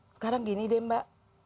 sekarang gini deh mbak